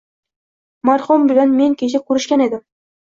Marhum bilan men kecha ko‘rishgan edim.